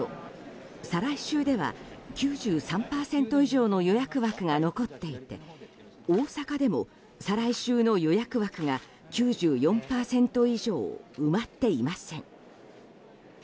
再来週では、９３％以上の予約枠が残っていて大阪でも再来週の予約枠が９４％以上埋まっていません。